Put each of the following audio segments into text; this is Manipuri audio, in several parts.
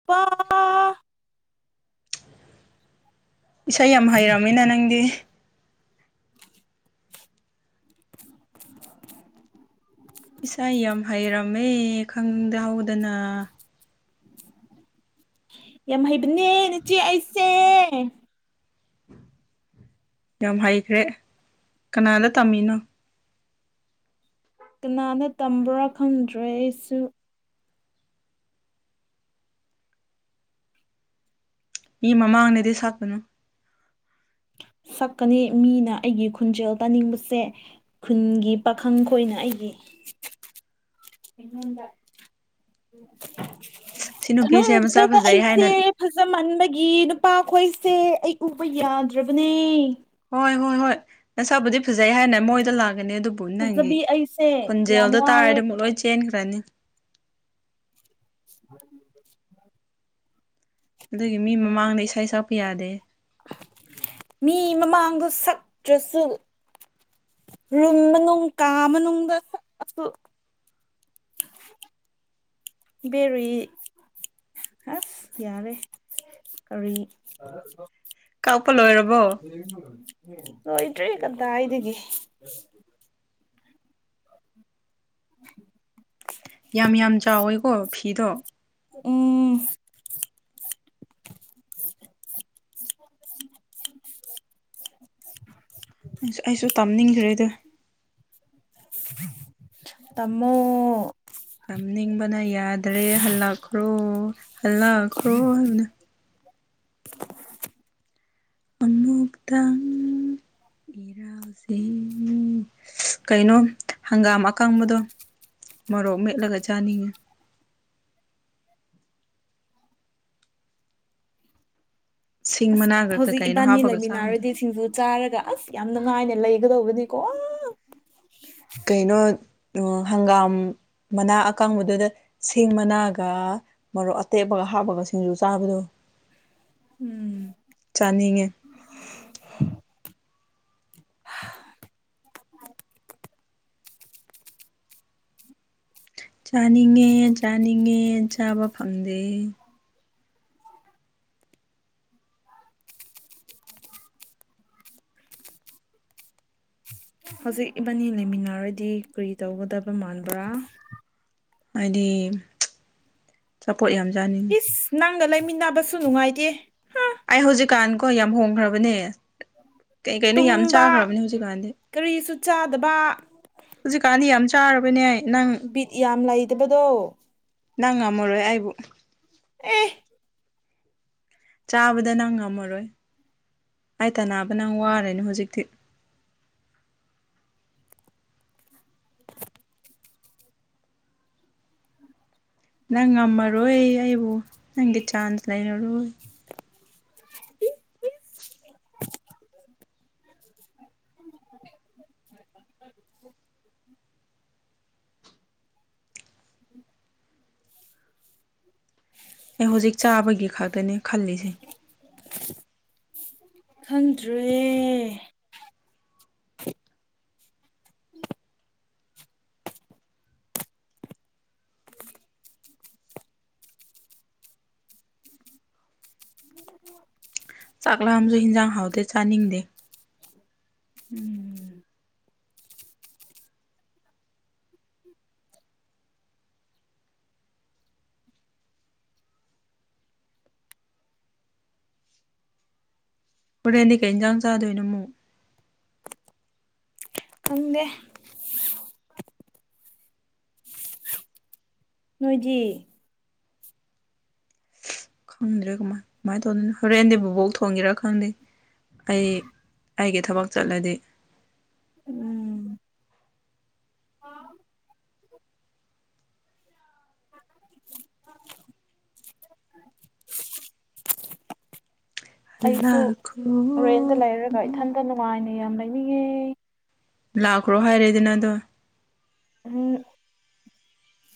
[inaudible] ꯏꯁꯩ ꯌꯥꯝ ꯍꯩꯔꯝꯃꯤꯅ ꯅꯪꯗꯤ ꯏꯁꯥ ꯌꯥꯝ ꯍꯩꯔꯝꯃꯦ ꯈꯪꯍꯧꯗꯅ ꯌꯥꯝ ꯍꯩꯕꯅꯦ ꯅꯆꯦ ꯑꯩꯁꯦ ꯌꯥꯝ ꯍꯩꯈ꯭ꯔꯦ ꯀꯅꯥꯗ ꯇꯝꯃꯤꯅꯣ ꯀꯅꯥꯗ ꯇꯝꯕ꯭ꯔꯥ ꯈꯪꯗ꯭ꯔꯦ ꯑꯩꯁꯨ ꯃꯤ ꯃꯃꯥꯡꯗꯗꯤ ꯁꯥꯠꯀꯅꯣ ꯁꯛꯀꯅꯤ ꯃꯤꯅ ꯑꯩꯒꯤ ꯈꯣꯟꯖꯦꯜ ꯇꯥꯅꯤꯡꯕꯁꯦ ꯈꯨꯟꯒꯤ ꯄꯥꯈꯪ ꯈꯣꯏꯅ ꯑꯩꯒꯤ [unintelligible] ꯁꯤ ꯅꯨꯄꯤꯁꯦ ꯃꯆꯥ ꯐꯖꯩ ꯍꯥꯏꯅ ꯐꯖꯃꯟꯕꯒꯤ ꯅꯨꯄꯥꯈꯣꯏꯁꯦ ꯑꯩ ꯎꯕ ꯌꯥꯗ꯭ꯔꯕꯅꯦ ꯍꯣꯏ ꯍꯣꯏ ꯍꯣꯏ ꯅꯁꯛꯕꯨꯗꯤ ꯐꯖꯩ ꯍꯥꯏꯅꯕ ꯃꯣꯏꯗ ꯂꯥꯛꯀꯅꯤ ꯑꯗꯨꯕꯨ ꯅꯪꯒꯤ ꯐꯖꯕꯤ ꯑꯩꯁꯦ ꯌꯥꯝ ꯈꯣꯟꯖꯦꯜꯗ ꯇꯥꯔꯗꯤ ꯋꯥꯔꯦ ꯑꯃꯨꯛ ꯂꯣꯏ ꯆꯦꯟꯈ꯭ꯔꯅꯤ [inaudible] ꯑꯗꯨꯒꯤ ꯃꯤ ꯃꯃꯥꯡꯗ ꯏꯁꯩ ꯁꯛꯄ ꯌꯥꯗꯦ ꯃꯤ ꯃꯃꯥꯡꯗ ꯁꯛꯇ꯭ꯔꯁꯨ ꯔꯨꯝ ꯃꯅꯨꯡ ꯀꯥ ꯃꯅꯨꯡꯗꯁꯨ ꯕꯦꯔꯤ ꯑꯁ ꯌꯥꯔꯦ ꯀꯔꯤ ꯀꯥꯎꯄ ꯂꯣꯏꯔꯕꯣ ꯂꯣꯏꯗ꯭ꯔꯦ ꯀꯗꯥꯋꯥꯗꯒꯤ ꯌꯥꯝ ꯌꯥꯝ ꯆꯥꯎꯋꯦꯀꯣ ꯐꯤꯗꯣ [inaudible] ꯑꯁ ꯑꯩꯁꯨ ꯇꯥꯅꯤꯡꯈ꯭ꯔꯦꯗ ꯇꯝꯃꯣ ꯇꯥꯝꯅꯤꯡꯕꯅ ꯌꯥꯗ꯭ꯔꯦ ꯍꯜꯂꯛꯈ꯭ꯔꯣ ꯍꯜꯂꯛꯈ꯭ꯔꯣ ꯍꯥꯏꯕꯅ ꯑꯝꯃꯨꯛꯇꯪ ꯀꯩꯅꯣ ꯍꯪꯒꯥꯝ ꯑꯀꯪꯕꯗꯣ ꯃꯣꯔꯣꯛ ꯃꯦꯠꯂꯒ ꯆꯥꯅꯤꯡꯉꯦ ꯁꯤꯡ ꯑꯁ ꯃꯅꯥꯒ ꯀꯩ ꯍꯧꯖꯤꯛ ꯀꯩꯅꯣ ꯏꯕꯥꯅꯤ ꯍꯥꯞꯄꯒ ꯆꯥꯕꯗꯣ ꯂꯩꯃꯤꯟꯅꯥꯔꯗꯤ ꯁꯤꯡꯖꯨ ꯆꯥꯔꯒ ꯑꯁ ꯌꯥꯝ ꯅꯨꯡꯉꯥꯏꯅ ꯂꯩꯒꯗꯧꯕꯅꯤꯀꯣ ꯀꯩꯅꯣ ꯍꯪꯒꯥꯝ ꯃꯅꯥ ꯑꯀꯥꯡꯕꯗꯨꯗ ꯁꯤꯡ ꯃꯅꯥꯒ ꯃꯔꯣꯛ ꯑꯇꯦꯛꯄꯒ ꯍꯥꯞꯄꯒ ꯁꯤꯡꯖꯨ ꯆꯥꯕꯗꯣ ꯎꯝ ꯆꯥꯅꯤꯡꯉꯦ [unintelligible] ꯆꯥꯅꯤꯡꯉꯦ ꯆꯥꯅꯤꯡꯉꯦ ꯆꯥꯕ ꯐꯪꯗꯦ ꯍꯧꯖꯤꯛ ꯏꯕꯥꯅꯤ ꯂꯩꯃꯤꯟꯅꯔꯗꯤ ꯀꯔꯤ ꯇꯧꯒꯗꯕ ꯃꯥꯟꯕ꯭ꯔꯥ ꯍꯥꯏꯗꯤ ꯑꯆꯥꯄꯣꯠ ꯌꯥꯝ ꯆꯥꯅꯤ ꯏꯁ ꯅꯪꯒ ꯂꯩꯃꯤꯟꯅꯕꯁꯨ ꯅꯨꯡꯉꯥꯏꯇꯦ ꯍꯥ ꯑꯩ ꯍꯧꯖꯤꯛꯀꯥꯟꯀꯣ ꯌꯥꯝ ꯍꯣꯡꯈ꯭ꯔꯕꯅꯦ ꯀꯩ ꯀꯩꯅꯣ ꯌꯥꯝ ꯇꯨꯝꯕ ꯆꯥꯈ꯭ꯔꯕꯅꯤ ꯍꯧꯖꯤꯛꯀꯥꯟꯗꯤ ꯀꯔꯤꯁꯨ ꯆꯥꯗꯕ ꯍꯧꯖꯤꯛꯀꯥꯟꯗꯤ ꯌꯥꯝ ꯆꯥꯔꯕꯅꯦ ꯑꯩ ꯅꯪ ꯕꯤꯠ ꯌꯥꯝ ꯂꯩꯇꯥꯕꯗꯣ ꯅꯪ ꯉꯝꯃꯔꯣꯏ ꯑꯩꯕꯨ ꯑꯦ ꯆꯥꯕꯗ ꯅꯪ ꯉꯝꯃꯔꯣꯏ ꯑꯩ ꯇꯟꯅꯥꯕ ꯅꯪ ꯋꯥꯔꯦꯅꯤ ꯍꯧꯖꯤꯛꯇꯤ ꯅꯪ ꯉꯝꯃꯔꯣꯏ ꯑꯩꯕꯨ ꯅꯪꯒꯤ ꯆꯥꯟꯁ ꯂꯩꯔꯔꯣꯏ ꯑꯩ ꯍꯧꯖꯤꯛ ꯆꯥꯕꯒꯤ ꯈꯛꯇꯥꯅꯦ ꯈꯜꯂꯤꯁꯦ ꯈꯪꯗ꯭ꯔꯦ [inaudible] [unintelligible] ꯆꯥꯛ ꯂꯥꯝꯃꯁꯨ ꯍꯤꯟꯖꯥꯡ ꯍꯥꯎꯇꯦ ꯆꯥꯅꯤꯡꯗꯦ [inaudible] ꯍꯣꯔꯦꯟꯗꯤ ꯀꯩ ꯌꯦꯟꯖꯥꯡ ꯆꯥꯗꯣꯏꯅꯣ ꯈꯪꯗꯦ ꯅꯣꯏꯗꯤ ꯈꯪꯗ꯭ꯔꯦ ꯀꯃꯥꯏ ꯀꯃꯥꯏꯅ ꯇꯧꯗꯣꯢꯅꯣ ꯍꯣꯔꯦꯟꯗꯤ ꯕꯨꯕꯣꯛ ꯊꯣꯡꯒꯦꯔꯥ ꯈꯪꯗꯦ ꯑꯩ ꯑꯩꯒꯤ ꯊꯕꯛ ꯆꯠꯂꯗꯤ ꯎꯝ [unintelligible] [unintelligible] ꯑꯩꯁꯨ ꯂꯥꯛꯈ꯭ꯔꯣ ꯔꯦꯟꯗ ꯂꯩꯔꯒ ꯏꯊꯟꯇ ꯅꯨꯡꯉꯥꯏꯅ ꯌꯥꯝ ꯂꯩꯅꯤꯡꯉꯦ ꯂꯥꯛꯈ꯭ꯔꯣ ꯍꯥꯏꯔꯦꯗꯅ ꯑꯗꯣ ꯎꯝ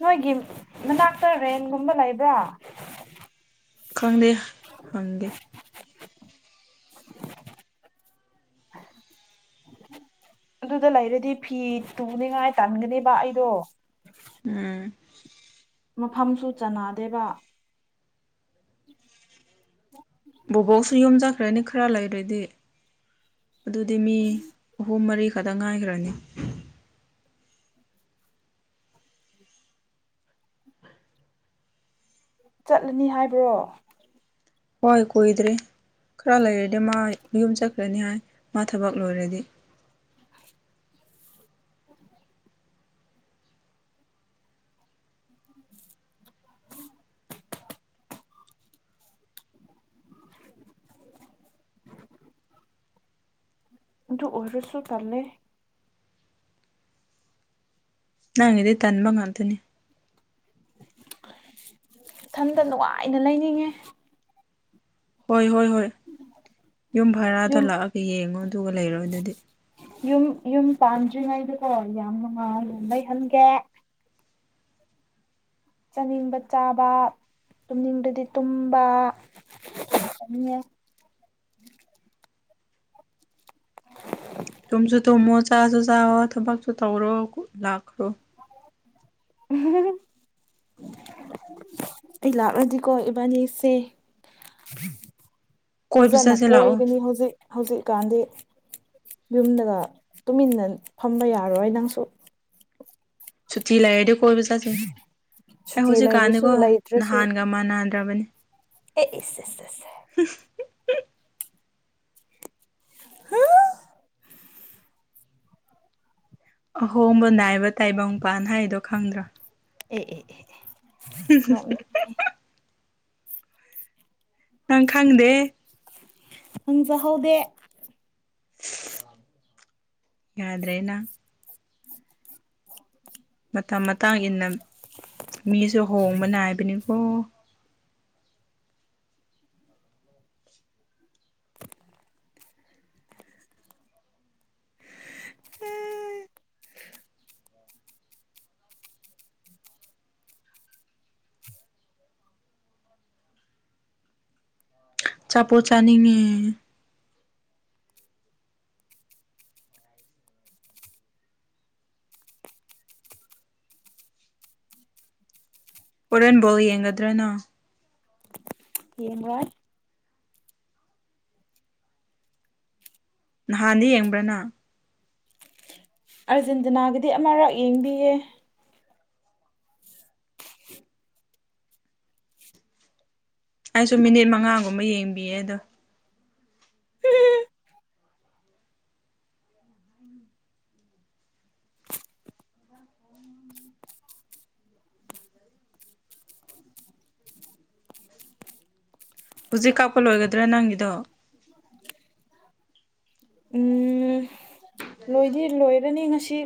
ꯅꯣꯏꯒꯤ ꯃꯅꯥꯛꯇ ꯔꯦꯟꯒꯨꯝꯕ ꯂꯩꯕ꯭ꯔꯥ ꯈꯪꯗꯦ ꯍꯪꯒꯦ [unintelligible] ꯑꯗꯨꯗ ꯂꯩꯔꯗꯤ ꯐꯤ ꯇꯨꯅꯤꯉꯥꯏ ꯊꯝꯒꯥꯅꯦꯕ ꯑꯩꯗꯣ ꯎꯝ ꯃꯐꯝꯁꯨ ꯆꯅꯥꯗꯦꯕ [inaudible] ꯕꯨꯕꯣꯛꯁꯨ ꯌꯨꯝ ꯆꯠꯈ꯭ꯔꯅꯤ ꯈꯔ ꯂꯩꯔꯗꯤ ꯑꯗꯨꯗꯤ ꯃꯤ ꯑꯍꯨꯝ ꯃꯔꯤ ꯈꯛꯇꯪ ꯉꯥꯏꯈ꯭ꯔꯅꯤ ꯆꯠꯂꯅꯤ ꯍꯥꯏꯕ꯭ꯔꯣ ꯍꯣꯏ ꯀꯨꯏꯗ꯭ꯔꯦ ꯈꯔ ꯂꯩꯔꯗꯤ ꯃꯥ ꯌꯨꯝ ꯆꯠꯈ꯭ꯔꯅꯤ ꯍꯥꯏ ꯃꯥ ꯊꯕꯛ ꯂꯣꯏꯔꯗꯤ [inaudible] ꯑꯗꯨ ꯑꯣꯏꯔꯁꯨ ꯇꯜꯂꯦ ꯅꯪꯒꯤꯗꯤ ꯇꯟꯕ ꯉꯥꯛꯇꯅꯤ ꯏꯊꯟꯇ ꯅꯨꯡꯉꯥꯏꯅ ꯂꯩꯅꯤꯡꯉꯦ ꯍꯣꯏ ꯍꯣꯏ ꯍꯣꯏ ꯌꯨꯝ ꯚꯔꯥꯗ ꯌꯨꯝ ꯂꯥꯛꯑꯒ ꯌꯦꯡꯉꯣ ꯑꯗꯨꯒ ꯂꯩꯔꯣ ꯑꯗꯨꯗꯤ ꯌꯨꯝ ꯌꯨꯝ ꯄꯥꯟꯗ꯭ꯔꯤꯉꯩꯗꯀꯣ ꯌꯥꯝ ꯅꯨꯡꯉꯥꯏ ꯂꯩꯍꯟꯒꯦ ꯆꯥꯅꯤꯡꯕ ꯆꯥꯕ ꯇꯨꯝꯅꯤꯡꯕꯗꯤ ꯇꯨꯝꯕ ꯆꯪꯅꯤꯡꯉꯦ ꯇꯨꯝꯁꯨ ꯇꯨꯝꯃꯣ ꯆꯥꯁꯨ ꯆꯥꯑꯣ ꯊꯕꯛꯁꯨ ꯇꯧꯔꯣ ꯂꯥꯛꯈ꯭ꯔꯣ [inaudible] ꯑꯩ ꯂꯥꯛꯂꯗꯤꯀꯣ ꯏꯕꯥꯅꯤꯁꯦ [inaudible] ꯐꯖꯅ ꯆꯠꯁꯦ ꯂꯥꯛꯑꯣ ꯀꯣꯏꯒꯅꯤ ꯍꯧꯖꯤꯛ ꯍꯧꯖꯤꯛꯀꯥꯟꯗꯤ ꯌꯨꯝꯗꯒ ꯇꯨꯃꯤꯟꯅ ꯐꯝꯕ ꯌꯥꯔꯔꯣꯏ ꯅꯪꯁꯨ ꯁꯨꯇꯤ ꯂꯩꯥꯔꯗꯤ ꯀꯣꯏꯕ ꯆꯠ ꯆꯠꯁ ꯑꯩ ꯁꯨꯇꯤ ꯂꯩꯔꯁꯨ ꯍꯧꯖꯤꯛꯀꯥꯟꯗꯤꯀꯣ ꯂꯩꯇ꯭ꯔꯁꯨ ꯅꯍꯥꯟꯒ ꯃꯥꯟꯅꯗ꯭ꯔꯕꯅꯤ ꯑꯦ ꯏꯁ [inaudible] [inaudible] ꯑꯍꯣꯡꯕ ꯅꯥꯏꯕ ꯇꯥꯏꯕꯪꯄꯥꯟ ꯍꯥꯏꯗꯣ ꯈꯪꯗ꯭ꯔꯥ ꯑꯦ ꯑꯦ ꯑꯦ ꯍꯝꯍꯝꯍꯝ ꯅꯣꯛꯅꯤꯡꯉꯦ ꯅꯪ ꯈꯪꯗꯦ ꯍꯪꯖꯍꯧꯗꯦ ꯌꯥꯗ꯭ꯔꯦꯅ [inaudible] ꯃꯇꯝ ꯃꯇꯥꯡ ꯏꯟꯅ ꯃꯤꯁꯨ ꯍꯣꯡꯕ ꯅꯥꯏꯕꯅꯤꯀꯣ ꯎꯝ ꯆꯥꯄꯣꯠ ꯆꯥꯅꯤꯡꯉꯦ ꯍꯣꯔꯦꯟ ꯕꯣꯟ ꯌꯦꯡꯒꯗ꯭ꯔ ꯅꯪ ꯌꯦꯡꯔꯣꯏ ꯅꯍꯥꯟꯗꯤ ꯌꯦꯡꯕ꯭ꯔꯅ ꯑꯥꯔꯖꯦꯟꯇꯤꯅꯥꯒꯗꯤ ꯑꯃꯔꯛ ꯌꯦꯡꯕꯤꯌꯦ ꯑꯩꯁꯨ ꯃꯤꯅꯤꯠ ꯃꯉꯥꯒꯨꯝꯕ ꯌꯦꯡꯕꯤꯌꯦ ꯑꯗꯣ ꯍꯧꯖꯤꯛ ꯀꯥꯞꯄ ꯂꯣꯏꯒꯗ꯭ꯔꯥ ꯅꯪꯒꯤꯗꯣ ꯎꯝ ꯂꯣꯏꯗꯤ ꯂꯣꯏꯔꯅꯤ ꯉꯁꯤ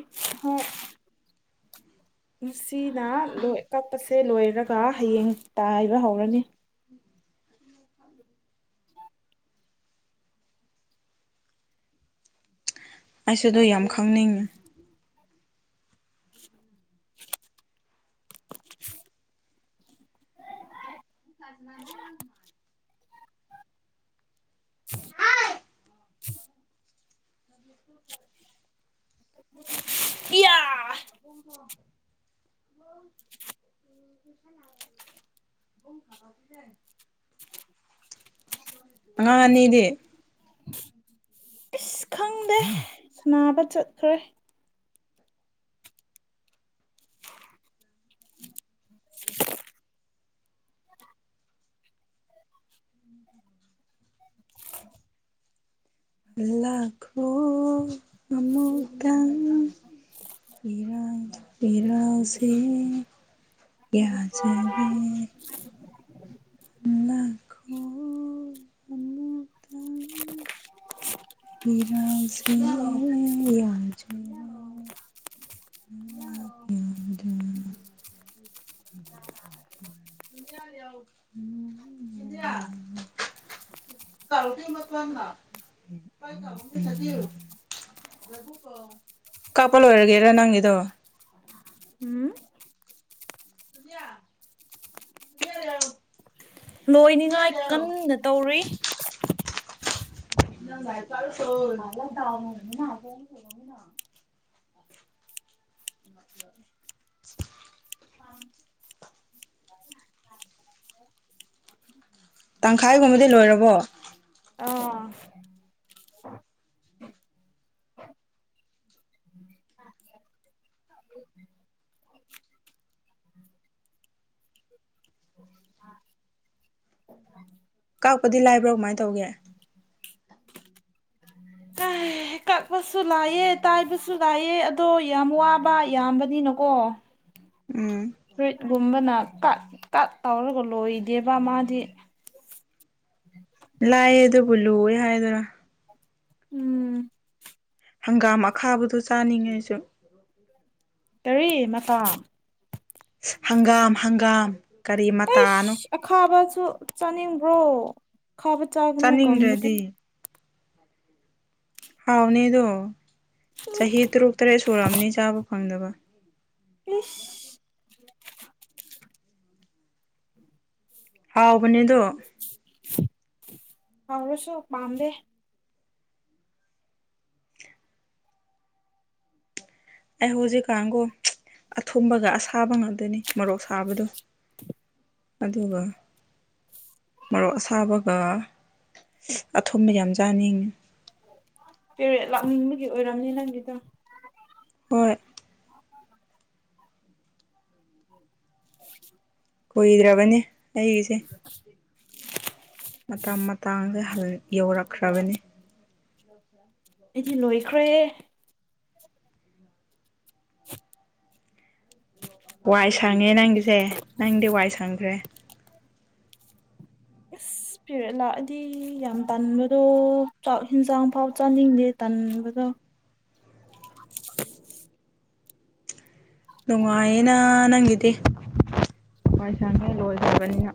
ꯅꯨꯡꯁꯤꯅꯣꯏ ꯀꯛꯄꯁꯦ ꯂꯣꯏꯔꯒ ꯍꯌꯦꯡ ꯇꯥꯏꯕ ꯍꯧꯔꯅꯤ ꯑꯩꯁ ꯑꯗꯨ ꯌꯥꯝ ꯈꯪꯅꯤꯡꯉꯤ [inaudible] [inaudible] ꯏꯌꯥ [inaudible] ꯅꯣꯏꯅꯤꯗꯦ ꯏꯁ ꯈꯪꯗꯦ ꯁꯅꯥꯕ ꯆꯠꯈ꯭ꯔꯦ [unintelligible] [unintelligible] ꯌꯥꯖꯔ ꯂꯥꯛꯈꯣ ꯏꯔꯥꯜꯁꯦ ꯌꯥꯖꯔꯦ [inaudible] [unintelligible] [unintelligible] ꯀꯥꯞꯄ ꯂꯣꯏꯔꯒꯦꯔ ꯅꯪꯒꯤꯗꯣ ꯍꯝ [unintelligible] ꯂꯣꯏꯅꯤꯠꯉꯥꯏ ꯀꯟꯅ ꯇꯧꯔꯤ [unintelligible] [inaudible] ꯇꯥꯡꯈꯥꯏꯒꯨꯝꯕꯗꯤ ꯂꯣꯏꯔꯕꯣ ꯑꯣ ꯀꯥꯛꯄꯗꯤ ꯂꯥꯏꯕ꯭ꯔꯣ ꯀꯃꯥꯏꯟ ꯇꯧꯒꯦ ꯍꯦꯛ ꯀꯥꯛꯄꯁꯨ ꯂꯥꯏꯑꯦ ꯇꯥꯏꯕꯁꯨ ꯂꯥꯏꯑꯦ ꯑꯗꯣ ꯌꯥꯝ ꯋꯥꯕ ꯌꯥꯝꯕꯅꯤꯅꯀꯣ ꯎꯝ ꯐ꯭ꯔꯨꯏꯠꯀꯨꯝꯕꯅ ꯀꯛ ꯀꯠ ꯇꯧꯔꯒ ꯂꯣꯏꯗꯦꯕ ꯃꯥꯗꯤ ꯂꯥꯏꯑꯦ ꯑꯗꯨꯕꯨ ꯂꯨꯋꯦ ꯍꯥꯏꯗꯣꯏꯔꯥ ꯎꯝ ꯍꯪꯒꯥꯝ ꯑꯈꯥꯕꯗꯣ ꯆꯥꯅꯤꯡꯉꯦ ꯑꯩꯁꯨ [inaudible] [unintelligible] ꯍꯪꯒꯥꯝ ꯍꯪꯒꯥꯝ ꯀꯔꯤ ꯃꯇꯥꯅꯣ ꯑꯩꯁ ꯑꯈꯥꯕꯁꯨ ꯆꯥꯅꯤꯡꯕ꯭ꯔꯣ ꯈꯥꯕ ꯆꯥꯒꯅꯨ ꯀꯪꯕꯅꯤ ꯆꯥꯅꯤꯡꯗ꯭ꯔꯗꯤ ꯍꯥꯎꯕꯅꯦ ꯑꯗꯨ ꯆꯍꯤ ꯇꯔꯨꯛ ꯇꯔꯦꯠ ꯁꯨꯔꯛꯑꯕꯅꯤ ꯆꯥꯕ ꯐꯪꯗꯕ ꯏꯁꯁ ꯍꯥꯎꯕꯅꯦꯗꯨ ꯍꯥꯎꯔꯁꯨ ꯄꯥꯝꯗꯦ ꯑꯩ ꯍꯧꯖꯤꯛꯀꯥꯟꯒꯣ ꯑꯊꯨꯝꯕꯒ ꯑꯁꯥꯕ ꯉꯥꯛꯇꯅꯤ ꯃꯣꯔꯣꯛ ꯁꯥꯕꯗꯣ ꯑꯗꯨꯒ ꯃꯔꯣꯛ ꯑꯁꯥꯕꯒ ꯑꯊꯨꯝꯕ ꯌꯥꯝ ꯆꯥꯅꯤꯡꯉꯤ ꯄꯦꯔꯦꯠ ꯂꯥꯛꯅꯤꯡꯕꯒꯤ ꯑꯣꯏꯔꯝꯅꯤ ꯅꯪꯒꯤꯗꯣ ꯍꯣꯏ [unintelligible] ꯀꯨꯏꯗ꯭ꯔꯕꯅꯦ ꯑꯩꯒꯤꯁꯦ ꯃꯇꯝ ꯃꯇꯥꯡꯗ [unintelligible] ꯌꯧꯔꯛꯈ꯭ꯔꯕꯅꯤ [unintelligible] ꯑꯩꯗꯤ ꯂꯣꯏꯈ꯭ꯔꯦ ꯋꯥꯏ ꯁꯪꯉꯦ ꯅꯪꯒꯤꯁꯦ ꯅꯪꯗꯤ ꯋꯥꯏ ꯁꯪꯈ꯭ꯔꯦ ꯏꯁ ꯄꯤꯔꯦꯠ ꯂꯥꯛꯑꯗꯤ ꯌꯥꯝ ꯇꯟꯕꯗꯣ ꯆꯥꯛ ꯌꯦꯟꯖꯥꯡ ꯐꯥꯎ ꯆꯥꯅꯤꯡꯗꯦ ꯇꯟꯕꯗꯣ ꯅꯨꯡꯉꯥꯏꯌꯦꯅ ꯅꯪꯒꯤꯗꯤ ꯋꯥꯏ ꯁꯪꯉꯦ ꯂꯣꯏꯈ꯭ꯔꯕꯅꯤꯅ